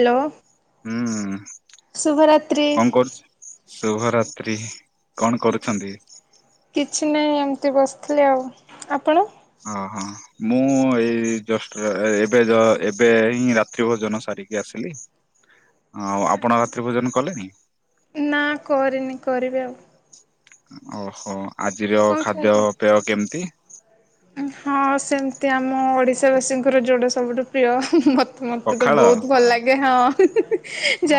Hello. ହୁଁ ଶୁଭରାତ୍ରି କଣ କରୁଛି ଶୁଭର ସ୍ତ୍ରୀ କଣ କରୁଛନ୍ତି? କିଛି ନାହିଁ ଏମିତି ବସିଥିଲି ଆଉ ଆପଣ? ଓହୋ ମୁଁ ଏଇ ଯଷ୍ଟ ଏବେ ଯ ଏବେ ହିଁ ରାତ୍ରି ଭୋଜନ ସାର ଟିକେ ଆସିଲି। ଆଉ ଆପଣ ରାତ୍ରି ଭୋଜନ କଲେଣି? ଆଛା ନା କରିନି କରିବି ଆଉ। ଓହୋ ଆଜିର କଣ ଖାଇଲେ? ଖାଦ୍ୟପେୟ କେମିତି? ହଁ ସେମିତି ଆମ ଓଡିଶା ବାସୀଙ୍କର ଯୋଉଟା ସବୁଠୁ ପ୍ରିୟ ହୁଁ ହୁଁ। ମତେ ତ ପଖାଳ ବହୁତ ଭଲ ଲାଗେ ହଁ ହୁଁ ହୁଁ।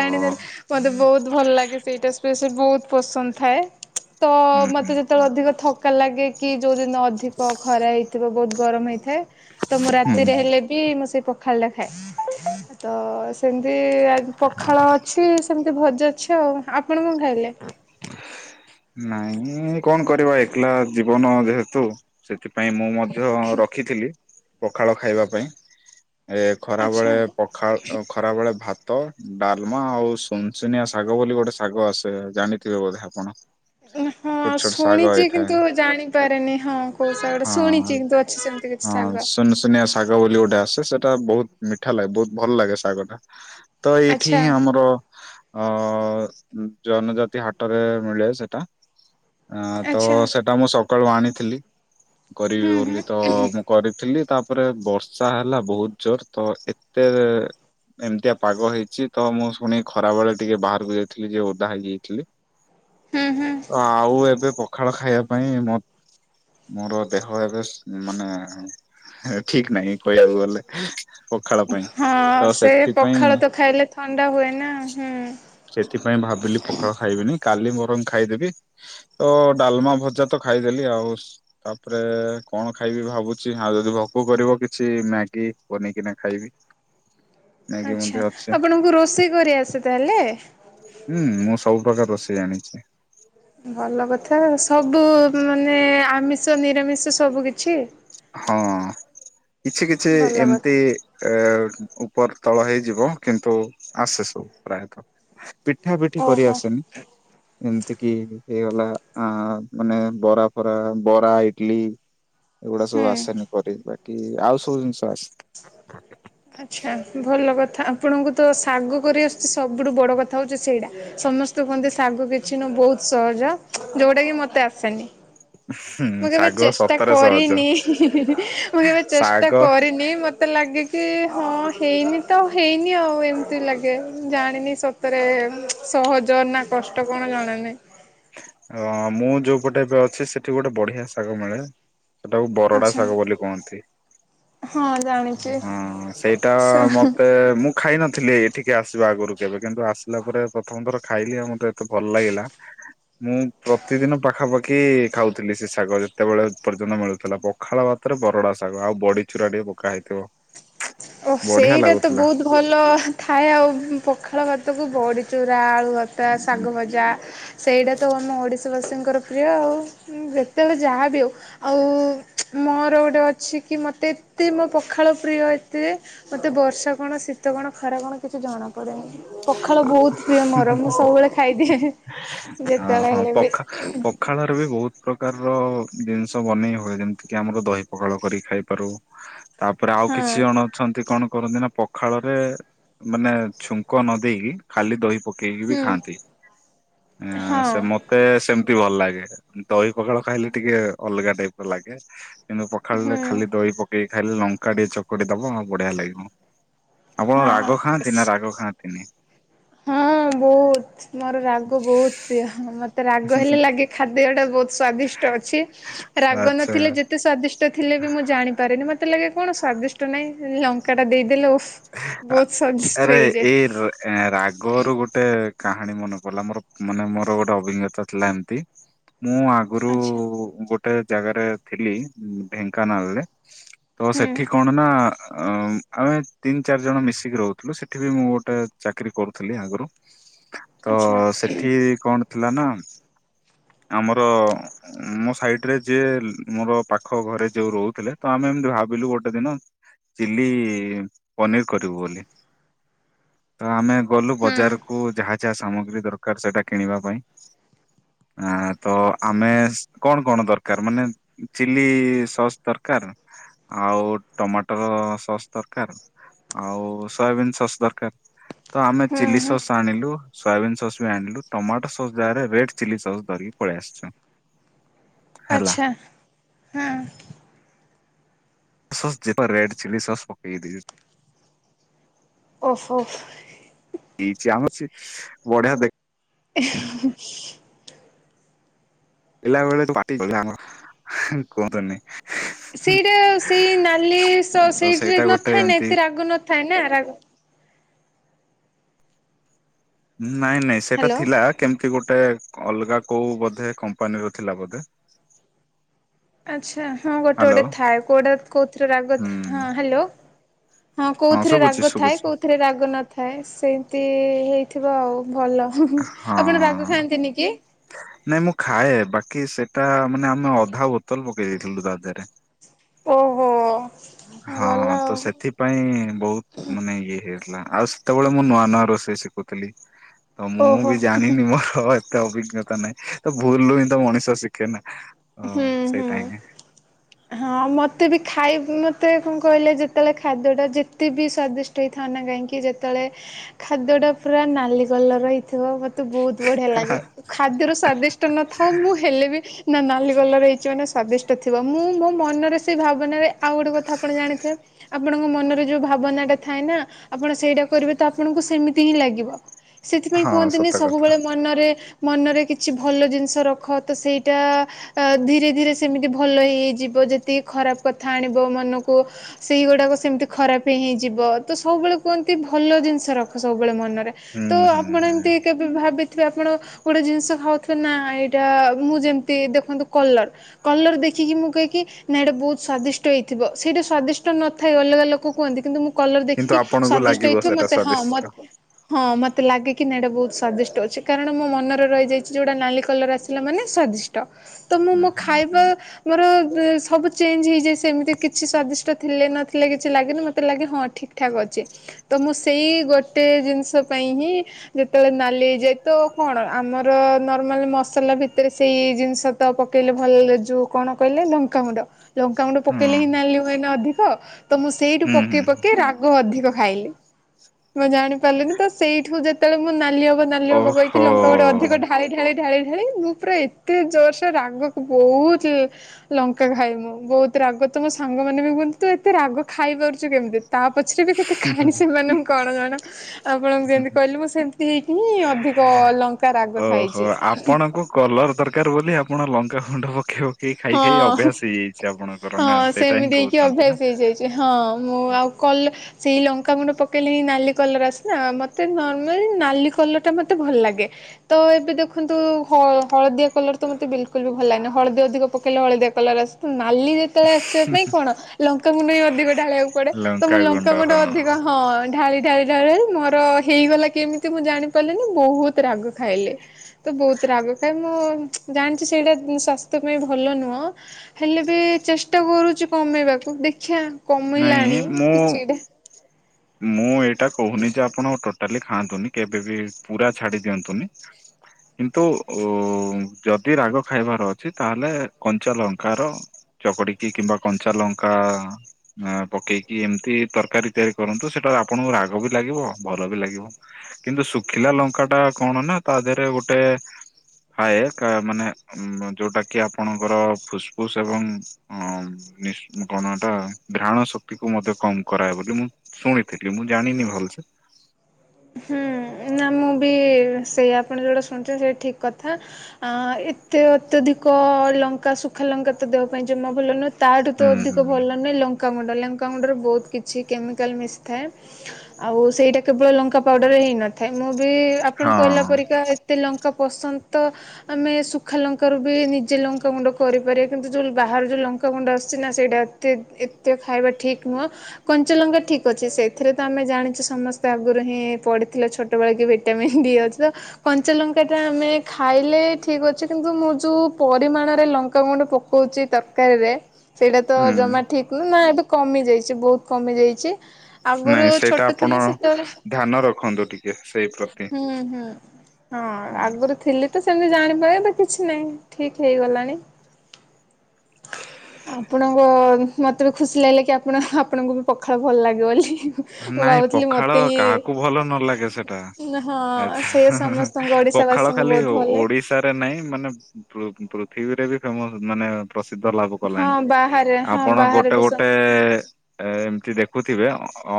ଓ ମତେ ବହୁତ ଭଲ ଲାଗେ ସେଇଟା ସ୍ପେଶି ବହୁତ ପସନ୍ଦ ଥାଏ। ତ ହୁଁ ମତେ ହୁଁ ଯେତେବେଳେ ଅଧିକ ଥକା ଲାଗେ କି ଯୋଉଦିନ ଅଧିକ ଖରା ହେଇଥିବ ବହୁତ ଗରମ ହେଇଥାଏ ତ ମୁଁ ହୁଁ। ରାତିରେ ହେଲେ ବି ମୁଁ ସେଇ ପ ପଖାଳ ରେଖାଏ ତ ସେମିତି ଆଜି ପଖାଳ ଅଛି ସେମିତି ଭଜା ଅଛି ଆଉ ଆପଣ କଣ ଖାଇଲେ? ନାଇଁ କଣ କରିବା ଏକଲା ଜୀବନ ଯେହେତୁ ସେଥିପାଇଁ ମୁଁ ମ ମଧ୍ୟ ରଖିଥିଲି ପଖାଳ ଖାଇବା ପାଇଁ। ଏ ଆଚ୍ଛା। ଖରାବେେଳେ ପଖାଳ ଖରାବେଳେ ଭାତ ତ ଡାଲମା ଆଉ ସୁନସୁନିଆ ଶାଗ ବୋଲି ଗୋଟେ ଶାଗ ଆସେ ଜାଣିଥିବେ ବୋଧେ ଆପଣ? ହଁ ଛୋଟ ଛୋଟ ଶାଗ ଶୁଣିଛି ହେଇଥାଏ କିନ୍ତୁ ଜାଣିପାରେନି ହଁ କୋଉ ସାଗଟା ହଁ ଶୁଣିଛି କିନ୍ତୁ ଅଛି ସେମିତି। କିଛି ହଁ ଶାଗ। ସୁନସୁୁନିଆ ଶାଗ ବୋଲି ଗୋଟେ ଆସେ ସେଟା ବହୁତ ମିଠା ଲାଗେ ବହୁତ ଭଲ ଲାଗେ ଶାଗଟା। ତ ଏଇଠି ଆଚ୍ଛା ହିଁ ଆମର ଅ ଜନଜାତି ହାଟ [inaudible] ମିଳେ ସେଟା ତ ଆଚ୍ଛା ସେଟା ମୁଁ ସକାଳୁ ଆଣିଥିଲି। କରିବି ହୁଁ ବୋଲି ହୁଁ ତ ମୁଁ କରିଥିଲି [inaudible] ତାପରେ ବର୍ଷା ହେଲା ବହୁତ ଜୋର ତ ଏତେ ଏମିତିଆ ପାଗ ହେଇଛି ତ ମୁଁ ଶୁଣି ଖରା ବେଳେ ଟିକେ ବାହାରକୁ ଯାଇଥିଲି ଯେ ଓଦା ହେଇଯାଇଥିଲି। ହୁଁ ହୁଁ। ତ ଆଉ ଏବେ ପଖାଳ ଖାଇବା ପାଇଁ ମ [inaudible] ମୋର ଦେହ ଏବେ ମାନେ ଠିକ ନାହିଁ କହିବାକୁ ଗଲେ। ପଖାଳ ପାଇଁ। ହଁ ତ ସେ ସେଥିପାଇଁ ପଖାଳ ତ ଖାଇଲେ ଥଣ୍ଡା ହୁଏ ନା ହୁଁ। ସେଥିପାଇଁ ଭାବିଲି ପଖଳ ଖାଇବିନି। କାଲି ମରଙ୍ଗ ଖାଇଦେବି ତ ଡାଲମା ଭଜା ତ ଖାଇଦେଲି ଆଉ ତାପରେ କଣ ଖାଇବି ଭାବୁଛି ଆଉ ଯଦି ଭୋକ କରିବ କିଛି ମ୍ୟାଗି ବନେଇକିନା ଖାଇବି। ହ [unintelligible] ଆଛା ଆପଣଙ୍କୁ ରୋଷେଇ କରି ଆସେ ତାହେଲେ? ହୁଁ ମୁଁ ସବୁପ୍ରକାର ରୋଷେଇ ଜାଣିଚି। ଭଲ କଥା ସବୁ ମାନେ ଆମିଷ ନିରାମିଷ ସବୁ କିଛି ହଁ କିଛି କିଛି ଭଲ କଥା ଏମିତି ଏ ଉପର ତଳ ହେଇଯିବ କିନ୍ତୁ ଆସେ ସବୁ ପ୍ରାୟତଃ। ପିଠା ପିଠି ଓହୋ କରିଆସେନି ଯେମିତି କିି ହେଇଗଲା ଆ ମାନେ ବରା ଫରା ବରା ଇଟଲି ଏଗୁଡା ସବୁ ହୁଁ। ଆସେନି କରି ବାକି ଆଉ ସବୁ ଜିନିଷ ଆସେ ଆଛା ଭଲ କ ଆପଣଙ୍କୁ ତ ଶାଗ କରିଆସୁଛି ସବୁଠୁ ବଡ କଥା ହଉଚ ସେଇଟା ସମସ୍ତେ କୁହନ୍ତି ଶାଗ କିଛି ନୁ ବହୁତ ସହଜ ଯୋଉଟା କି ମତେ ଆସେନି। ହୁଁ ମୁଁ କେବେ ଶାଗ ଚେଷ୍ଟା ସତରେ ସହଜ କରିନି ହିଁ ହିଁ ହିଁ ହିଁ ମୁଁ କେବେ ଚେଷ୍ଟା ଶାଗ କରିନି ମତେ ଲାଗେ କି [unintelligible] ହଁ ହେଇନି ତ ହେଇନି ଆଉ। ଏମିତି ଲାଗେ ଜାଣିନି ସତରେ ସହଜ ନା ନା କଷ୍ଟ କଣ ଜଣାନାହିଁ। ଅ ମୁଁ ଯୋଉ ପଟେ ଏବେ ଅଛି। ସେଠି ଗୋଟେ ବଢିଆ ଶାଗ ମିଳେ ସେଟାକୁ ବରଡା ଆଚ୍ଛା ଶାଗ ବୋଲି କୁହନ୍ତି। ହଁ ଜାଣିଛି। ହଁ ସେଇଟା ମତେ ମୁଁ ଖାଇନଥିଲି ଏଠିକି ଆସିବା ଆଗରୁକୁ କେବେ କିନ୍ତୁ ଆସିଲା ପରେ ପ୍ରଥମ ଥର ଖାଇଲି ଆଉ ମତେ ଏତେ ଭଲ ଲାଗିଲା ମୁଁ ପ୍ରତିଦିନ ପାଖ ପାଖାପାଖି ଖାଉଥିଲି ସେ ଶାଗ ଯେତେବେଳେ ପର୍ଯ୍ୟନ୍ତ ମିଳୁଥିଲା ପଖାଳ ଭାତରେ ବରଡ଼ା ଶାଗ ଆଉ ବଡ଼ି ଚୁରାଟିକେ ପକା ହେଇଥିବ ଓ ସେଇଟା ତ ଲାଗୁଥିଲା ବହୁତ ଭଲ ଥାଏ ଆଉ ପଖାଳ ଭାତକୁ ବଢିଚୁରା ଆଳୁ ଶାଗ ଭଜା ସେଇଟା ତ ଆମ ଓଡ଼ି ବାସୀଙ୍କର ପ୍ରିୟ ଆଉ ଯେତେବେଳେ ଯାହାବ ଆଉ ଆଉ ମୋର ଗୋଟେ ଅଛି କି ମୋତେ ଏତେ ମୋ ପଖାଳ ପ୍ରିୟ ତେ ମତେ ବର୍ଷା କଣ ଶୀତ କଣ ଖରା କଣ କିଛି ଜଣା ପଡ଼େନି ପଖାଳ ବୋହୁତ ଉଁ ହୁଁ ହୁଁ ଯେତେବେଳେ ହୁଁ ହେଲେ ବି ପଖା ପଖାଳ ର ବି ବୋହୁତ ପ୍ରକାର ଜିନିଷ ବନେଇ ହୁଏ ଯେମିତି କି ଆମର ଦହି ପଖାଳ କରି ଖାଇପାରୁ। ତାପରେ ଆଉ କିଛି ହଁ ଜଣ ଅଛନ୍ତି କଣ କରନ୍ତିିନା ପଖାଳରେ ମାନେ ଛୁଙ୍କ ନ ଦେଇେଇକି ଖାଲି ଦହି ପକେଇକି ବି ହୁଁ ଖାଆନ୍ତି ହଁ ସେ ମତେ ସେମ ଭଲ ଲାଗେ ଦହି ପଖଳ ଖାଇଲେ ଟିକେ ଅଲଗା ଟାଇପ ର ଲାଗେ କିନ୍ତୁ ହୁଁ ପଖାଳିଲେ ଖାଲି ଦହି ପକେଇକି ଖାଇଲେ ଲଙ୍କା ଟିକେ ଚକୁଟି ଦବା ଆଉ ବଢିଆ ଲାଗିବ ଆପଣ ରାଗ ଖାଁନ୍ତି ନା ହଁ ରାଗ ଖାନ୍ତିନି? ହଁ ବହୁତ ମୋର ରାଗ ବହୁତ ପ୍ରିୟ ମୋତେ ରାଗ ହେଲେ ଲାଗେ ଖାଦ୍ୟଟା ବହୁତ ସ୍ଵାଦିଷ୍ଟ ଅଛି ରାଗ ଆଚ୍ଛା ନଥିଲେ ଯେତେ ସ୍ଵାଦିଷ୍ଟ ଥିଲେ ବି ମୁଁ ଜାଣିପାରେନି ମତେ ଲାଗେ କଣ ସ୍ଵାଦିଷ୍ଟ ନାଇଁ ଲଙ୍କା ଟା ଦେଇଦେଲେ ଓଃ ଆ ଆରେ ଏଇ ରା ରା ଗୋରୁ ଗୋଟେ କାହାଣୀ ମନେକଲା ମୋର ମାନେ ମୋର ଗୋଟେ ଅଭିଜ୍ଞତା ଥିଲା ଏମିତି ମୁଁ ଆଗରୁ ଆଚ୍ଛା ଗୋଟେ ଜାଗାରେ ଥିଲି ଢେଙ୍କାନାଳ ରେ ତ ହୁଁ ସେଠି କଣ ନା ଅ ଆମେ ତିନି ଚାରି ଜଣ ମିଶିକି ରହୁଥିଲୁ। ସେଠି ବି ମୁଁ ଗୋଟେ ଚାକିରୀ କରୁଥିଲି ଆଗରୁ ତ ଆଚ୍ଛା ସେଠି କଣ ଥିଲା ନା ଆମର ମୋ ସାଇଡରେ ଯିଏ ମୋର ପାଖ ଘରେ ଯୋଉ ରହୁଥିଲେ ତ ଆମେ ଏମତି ଭାବିଲୁ ଗୋଟେ ଦିନ ଚିଲ୍ଲି ପନିର କରିବୁ ବୋଲି ତ ଆମେ ଗଲୁ ହୁଁ ବଜାରକୁ ଯାହା ଯାହା ସାମଗ୍ରୀ ଦରକାର ସେଇଟା କିଣିବା ପାଇଁ। ଆ ତ ଆମେ କଣ କଣ ଦରକାର ମାନେ ଚିଲି ସସ୍ ଦରକାର। କାର ଆଉ ଟମାଟର ସସ୍ ଦରକାର। ଆଉ ସୋୟାବିିନ ସସ୍ ଦରକାର ତ ଆମେ ହୁଁ ଚିଲି ହୁଁ ସସ୍ ଆଣିଲୁ। ସୋୟାବିନ୍ ସସ୍ ବି ଆଣିଲୁ ଟମାଟୋ ସସ୍ ଯାଗାରେ ରେଡ୍ ଚିଲ୍ ସସ୍ ଧରିକି ପଳେଇ ଆସିୁଛୁ। ଆଚ୍ଛା ହଁ। ସସ୍ ଯେପା ରେଡ ଚିଲ୍ଲି ସସ୍ ପକେଇ ଦେଇ ଓଃ ପୋ। ଦେଇଛି ଆମର ସେ ବଢିଆ ଦେଖ [inaudible] ଖାଇ ଲା ବେଳେ ପାଟି [unintelligible] ଯୋଉ ଆମର କୁହନ୍ତୁନି। ସେଇଟା ସେଇ ନାଲି ସସ୍ ତ ସେଇଥୀ ରେ ସେଇଟା ଗୋଟେ ନଥାଏ ନା ଏମତି ଏତେ ରାଗ ନଥାଏ ନା ରାଗ ନାଇଁ ନାଇଁ ସେଇଟା ହ୍ୟାଲୋ ଥିଲା କେମିତି ଗୋଟେ ଅଲଗା କୋଉ ବୋଧେ କମ୍ପାନୀର ଥିଲା ବୋଧେ। ଆଛା ହଁ ଗୋଟେ ଗୋଟେ ହ୍ୟାଲୋ ଥାଏ କୋଉଟା କୋଉଥିରେ ରାଗ ହଁ ହୁଁ ହ୍ୟାଲୋ। ହଁ କୋଉଥିରେ ଶୁଭୁଛି ରାଗ ଥାଏ ଶୁଭୁଛି କୋଉଥିରେ ରାଗ ନଥାଏ ସେମିତି ହେଇଥିବ ଆଉ। ଭଲ ହୁଁ -ହୁଁ ଆପଣ ରାଗ ହଁ ଖାଆନ୍ତିନି କି? କି ସେଟା ମାନେ ଆମେ ଅଧା ବୋତଲ ପକେଇ ଦେଇଥିଲୁ ତା ଧେରେ। ଓହୋ। ହଁ ଭଲ ତ ଆଉ। ସେଥିପାଇଁ ବହୁତ ମାନେ ଇଏ ହେଇ ଯାଇଥିଲା। ଆଉ ସେତେବେଳେ ମୁଁ ନୂଆ ନୂଆ ରୋଷେଇ ଶିଖୁଥିଲି ତ ମୁଁ ଓହୋ। ବି ଜାଣିନି ମୋର ଏ ଏତେ ଅଭିଜ୍ଞତା ନାହିଁ ତ ଭୁଲରୁ ହିଁ ତ ମଣିଷ ଶିଖେ ନା। ହଁ ହୁଁ ସେଇଟା ହୁଁ ହିଁ ହଁ ମତ ମତେ ବି ଖାଇବି ମୋତେ କଁ କହିଲେ ଯେତେବେଳେ ଖାଦ୍ୟଟା ଯେତେ ବି ସ୍ଵାଦିଷ୍ଟ ହେଇଥାନ୍ ନା କାହିଁକି ଯେତେବେଳେ। ଖାଦ୍ୟ ଟା ପୁରା ନାଲି କଲର ହେଇ ଥିବ ମତେ ବହୁତ ବଢିଆ ଲାଗେ ଖାଦ୍ୟର ସ୍ଵାଦିଷ୍ଟ ନଥାଉ ମୁଁ ହେଲେ ବି ନା ନା ଲି କଲର ହେଇଛି ମାନେ ସଦିଷ୍ଟ ଥିବ ମୁଁ ମୋ ମନ ରେ ସେଇ ଭାବନାରେ ଆଉ ଗୋଟେ କଥା ଆପଣ ଜାଣିଥିବେ ଆପଣଙ୍କ ମନ ରେ ଯୋଉ ଭାବନା ଟା ଥାଏ ନା ଆପଣ ସେଇଟା କରିବେ ତ ଆପଣଙ୍କୁ ସେମିତି ହିଁ ଲାଗିବ। ସେଥିପାଇଁ ହଁ କୁହନ୍ତିନି ସତ କଥା ସବୁବେଳେ ମନରେ। ମନରେ କିଛି ଭଲ ଜିନିଷ ରଖ ତ ସେଇଟା। ଧୀରେ ଧୀରେ ସେମିତି ଭଲ ହେଇ ହେଇ ଯିବ ଯେତିକି ଖରାପ କଥା ଆଣିବ ମନକୁ ସେଇ ଗୁଡ଼ାକ। ସେମିତି ଖରାପ ହେଇଯିବ ତ ସବୁବେଳେ କୁହନ୍ତି ଭଲ ଜିନିଷ ରଖ ସବୁ ବେଳେ ମନରେ ହୁଁ ତ ହୁଁ ଆପଣ ହୁଁ ଏମତି କେବେ ଭାବି ଥିବେ ଆପଣ ଗୋଟେ ଜିନିଷ ଖାଉଥିବେ ନା ଏଇଟା ମୁଁ ଯେମତି ଦେଖନ୍ତୁ। କଲର କଲର ଦେଖିକି ମୁଁ କହେ କି ନା ଏଇଟା ବହୁତ ସ୍ଵାଦିଷ୍ଟ ହେଇଥିବ ସେଇଟା ସ୍ଵାଦିଷ୍ଟ ନଥାଏ ଅଲ ଅଲଗା ଲୋକ କୁହନ୍ତି କିନ୍ତୁ ମୁଁ କଲର କିନ୍ତୁ ଦେଖିକି ଆପଣଙ୍କୁ ସ୍ଵାଦଷ୍ଟ ଲାଗିବ ହେଇଥିବ ସେଟା ମତେ -ହଁ ସ୍ଵାଦିଷ୍ଟ -ମତ -ହଁ -ମତ। ତେ ଲାଗେକି ନାଁ ଏଟା ବହୁତ ସ୍ଵାଦିଷ୍ଟ ଅଛି କାରଣ ମୋ ମନରେ ରହିଯାଇଛି ଯୋଉଟା ନାଲି କଲର ଆସିଲା ମାନେ ସ୍ଵାଦିଷ୍ଟ। ତ ମୁଁ ମୁଁ ହୁଁ ମୋ ହୁଁ ଖାଇବା ହୁଁ ମୋର। ସବୁ ଚେଞ୍ଜ ହେଇଯାଏ ସେମିତି କିଛି ସ୍ଵାଦିଷ୍ଟ ଥିଲେ ନଥିଲେ କିଛି ଲାଗେନି ମୋତେ ଲାଗେ ହଁ ଠିକ୍ ଠାକ୍ ଅଛି। ତ ମୁଁ ସେଇ ଗୋଟେ ଜିନିଷ ପାଇଁ ହିଁ ଯେତେବେଳେ ନାଲି ହେଇ ଯାଏ ତ କଣ। ଆମର ନର୍ମାଲି ମସଲା ଭିତରେ ସେଇ ଜିନିଷ। ତ ପକେଇଲେ ଭଲ ଲେ ଯୋଉ କଣ କହିଲେ ଲଙ୍କା ଗୁଣ୍ଡ ଲଙ୍କା ଗୁଣ୍ଡ ହୁଁ ପକେଇଲେ ହିଁ ନାଲି ହୁଏ। ମେନ ଅଧିକ ତ ମୁଁ ସେଇଠୁ ହୁଁ ପକେଇ ହୁଁ ପକେଇ ରାଗ ଅଧିକ ଖାଇଲି। ମୁଁ ଜାଣି ପାରିଲିନି ତ ସେଇଠୁ ଯେତେବେଳେ ମୁଁ ନାଲି ହବ ନାଲି ହବ କହିକି ଲଙ୍କା ଗୁଡା ଅଧିକ ଓହୋ ଢାଳି ଢାଳି। ଢାଳି ଢାଳି ମୁଁ ପୁରା ଏତେ ଜୋରସେ। ରାଗକୁ ବହୁତ ଲଙ୍କା ଖାଏ ମୁଁ ବହୁତ ରାଗ ତ ମୋ ସାଙ୍ଗ ମାନେ ବି କୁହନ୍ତି ତୁ ଏତେ ରାଗ। ‌ଖାଇପାରୁଛୁ କେମିତି ତା ପଛରେ ବି କେତେ କାହାଣୀ ସେମାନଙ୍କୁ କଣ ଜଣା। ଆପଣଙ୍କୁ ଯେମିତି କହିଲି ମୁଁ ସେମତି ହେଇକି ହିଁ ଅଧିକ ଲଙ୍କା ରାଗ ଓହୋ ଖାଇଛି। ଆପଣଙ୍କୁ କଲର ଦରକାର ବୋଲି ଆପଣ ଲଙ୍କା ଗୁଣ୍ଡ ପକେଇବ। ହଁ ନା ହଁ ସେଇଟା ହିଁ ସେମିତି ହେଇକି କହୁଛନ୍ତି ନା। ଅଭ୍ୟାସ ହେଇଯାଇଛି ହଁ ମୁଁ ଆଉ କଲେ ସେଇ ଲଙ୍କାମୁଣ୍ଡ ପକେଇଲେ ହିଁ ନାଲି କଲର୍ ଆସେନା ମୋତେ ନର୍ମାଲି ନାଲି କଲର୍ଟା ମୋତେ ଭଲ ଲାଗେ। ତ ଏବେ ଦେଖନ୍ତୁ ହଳଦିଆ କଲର ତ ମତେ ବିଲକୁଲ ବି ଭଲ ଲାଗେନା ହଳଦିଆ ଅଧିକ ପକେଇ ତେଲ ହଳଦିଆ କଳର ଆସିବ ନା କାଲି ଯେତେବେଳେ ଆସିବା ପାଇଁ କଣ ଲଙ୍କା ଗୁଣ୍ଡ ବି ଅଧିକ ଢାଳିବାକୁ ପଡେ ତ ମୁଁ ଲଙ୍କାଗୁଣ୍ଡ ଲଙ୍କା ହଁ ଗୁଣ୍ଡ ଅଧିକ ହଁ ହଁ ଢାଳି ଢାଳି ଢାଳି ମୋର ହେଇଗଲା କେମିତି ମୁଁ ଜାଣି ପାରିଲିନି ବହୁତ ରାଗ ଖାଇଲେ। ତ ବହୁତ ରାଗ ଖାଏ ମୁଁ ଜାଣିଛି ସେଇଟା ସ୍ୱାସ୍ଥ୍ୟ ପାଇଁ ଭଲ ନୁହଁ ହେଲେ ବି ଚେଷ୍ଟା କରୁଛି କମେଇବାକୁ ଦେଖିଆ ନାଇଁ କାମିଲାଣି ମୁଁ କିଛିଟା। ମୁଁ ଏଇଟା କହୁନି ଯେ ଆପଣଟ ଡାଲି ଖାଆନ୍ତୁନି କେବେ ବି ପୁରା ଛାଡି ଦିଅନ୍ତୁନି କିନ୍ତୁ ଉ ଯଦି ରାଗ ଖାଇବାର ଅଛି ତାହେଲେ କଞ୍ଚାଲଙ୍କାର ଚକଟିକି କିମ୍ବା କଞ୍ଚା ଲଙ୍କା ହଁ ପକେଇକି ଏମିତି ତରକାରୀ ତିଆରି କରନ୍ତୁ ସେଟା ଆପଣଙ୍କୁ ରାଗ ବି ଲାଗିବ ଭଲ ବି ଲାଗିବ। କିନ୍ତୁ ଶୁଖିଲା ଲଙ୍କା ଟା କଣ ନାଁ ତା ଦେହରେ ଗୋଟେ ଖାଏ ମାନେ ଯୋଉଟା କି ଆପଣଙ୍କର ଫୁସ୍ ଫୁସ୍ ଏବଂ ନୁ ନୀଶୀ କଣଟା ଘ୍ରାଣ ଶକ୍ତି କୁ ମଧ୍ୟ କମ କରାଏ ବୋଲି ମୁଁ ଶୁଣିଥିଲି ମୁଁ ଜାଣିନି ଭଲସେ। ହୁଁ ନା ମୁଁ ବି ସେୟା ଆପଣ ଯୋଉଟା ଶୁଣୁଛନ୍ତି ସେଇଟା ଠିକ କଥା ଆଁ ଏତେ ଅତ୍ୟଧିକ ଲଙ୍କା ଶୁଖା ଲଙ୍କା ତ ଦେହ ପାଇଁ ଜମା ଭଲ ନୁହେଁ। ତାଠୁ ହୁଁ ତ ଅଧିକ ହୁଁ ଭଲ ନୁହେଁ ଲଙ୍କା ଟା ଲଙ୍କାଗୁଣ୍ଡ ଲଙ୍କାଗୁଣ୍ଡରେ ବହୁତ କିଛି କେମିକାଲ ମିଶି ଥାଏ ଆଉ ସେଇଟା କେବଳ ଲଙ୍କା ପ ପାଉଡ଼ର ହେଇନଥାଏ ମୁଁ ବି ଆପଣ ହଁ କହିଲା ପରିକା ଏତେ ଲଙ୍କାପ ପସନ୍ଦ ତ ଆମେ ଶୁଖା ଲଙ୍କାରୁ ବି ନିଜେ ଲଙ୍କା ଗୁଣ୍ଡ କରିପାରିବା କିନ୍ତୁ ଯୋଉ ବାହାରୁ ଯୋଉ ଲ ଲଙ୍କାଗୁଣ୍ଡ ଆସଛି ନା ସେଟା ଏତେ ଏତେ ଖାଇବା ଠିକ ନୁହଁ କଞ୍ଚା ଲଙ୍କା ଠିକ ଅଛି ସେଥିରେ ତଆମେ ଆମେ ଜାଣିଛୁ ସମସ୍ତେ ଆଗରୁ ହିଁଇ ପଡିଥିଲା ଛୋଟବେଲେ କି ଭିଟାମନ୍ ଡି ଅଛି ତ କଞ୍ଚା ଲଙ୍କା ଟା ଆମେ ଖାଇଲେ ଠିକ ଅଛୁ କିନ୍ତୁ କିନ୍ତୁ ମୁଁ ଯୋଉ ପରିମାଣରେ ଲଙ୍କାଗୁଣ୍ଡ ପକଉଛି ତରକାରୀରେ ସେଇଟା ତ ହୁଁ ଜମା ଠିକ ନୁ ନା ଏବେ କମି ଯାଇଛି ବହୁତ କମି ଯାଇଛି। ଆଗରୁ ନାଇଁ ସେଇଟା ଛୋଟ ଆପଣ ଥିଲି ସେତେବେଳେ ଧ୍ୟାନ ରଖନ୍ତୁ ଟିକେ ସେଇ ପ୍ରତି। ହୁଁ ହୁଁ। ହଁ ହୁଁ ଆଗରୁ ଥିଲି ତ ସେମିତି ଜାଣିପାରିବି କିଛି ନେହିଁ ଠିକ ହେଇଗଲାଣି। [unintelligible] ଆପଣଙ୍କ ମତେ ବି ଖୁସି ଲାଗିଲେ କି, ଆପଣ ଆପଣଙ୍କୁ ବି ପଖାଳ ଭଲ ଲାଗେ ବୋଲି। ମୁଁ ନାଇଁ ଭାବୁଥିଲି, ପଖାଳ ମତେ ହିଁ କାହାକୁ ଭଲ ନ ଲାଗେ ସେଟା ହଁ ସେ ଆଛା। ସମସ୍ତଙ୍କୁ ପଖାଳ ଓଡିଶାବାସୀଙ୍କୁ ଖାଲି ବହୁତ ଭଲ ଲାଗେ। ଓଡିଶାରେ ନାଇଁ। ମାନେ ପୃଥିବୀରେ ବି ଫେମସ। ମାନେ ପ୍ରସିଦ୍ଧ ଲାଭ କଲାଣି। ହଁ ବାହାରେ ହଁ ଆପଣ ବାହାରେ ଗୋଟେ ବି ଗୋଟେ ସମସ୍ତ ଦେଖୁଥିବେ।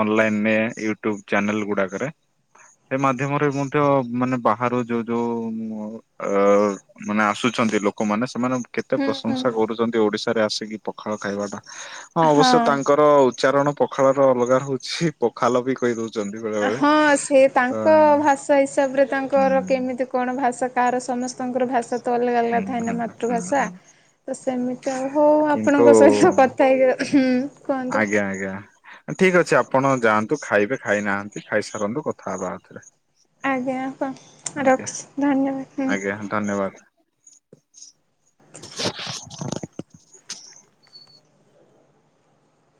ଅନଲାଇନ ୟୁଟ୍ୟୁବ ଚ୍ୟାନେଲ ଗୁଡାକରେ ସେ ମାଧ୍ୟମରେ ମଧ୍ୟ, ମାନେ ବାହାରୁ ଯୋଉ ଯୋଉ ଅ ମାନେ ଆସୁଛି ଅଛନ୍ତି ଲୋକମାନେ। ସେମାନେ କେତେ ହୁଁ ପ୍ରଶଂସା ହୁଁ କରୁଛନ୍ତି। ଓଡିଶାରେ ଆସିକି ପଖାଳ ଖାଇବାଟା। ହଁ। ଅବଶ୍ୟ ହଁ। ତାଙ୍କର ଉଚ୍ଚାରଣ ପଖାଳ ର ଅଲଗା ରହୁଛି ପଖାଲ ବି କହିଦଉଛି ହଁ। ସେ ତାଙ୍କ ଭାଷା ହିସାବରେ, ହୁଁ ତାଙ୍କର କେମିତି କଣ ଭାଷା। କାହାର ସମସ୍ତଙ୍କର ଭାଷା ତ ଅଲଗା ଅଲଗା ହୁଁ ଥାଏ ହୁଁ ନା, ହୁଁ ମାତୃଭାଷା। ହୁଁ ତ ସେମିତି ତ ହଉ। କିନ୍ତୁ ଆପଣଙ୍କ ସହିତ କଥା ହେଇକଁ ଆଜ୍ଞା, ଆଜ୍ଞା। ଠିକ ଅଛି ଆପଣ ଯାଆନ୍ତୁ, ଖାଇବେ ଖାଇନାହାନ୍ତି, ଖାଇସାରନ୍ତୁ, କଥା ହେବା ଆଉଥରେ। ଆଜ୍ଞା। ହପ ଆଜ୍ଞା। ରଖୁଛି। ଧନ୍ୟବାଦ। ଆଜ୍ଞା ହୁଁ। ଧନ୍ୟବାଦ। [inaudible] [inaudible]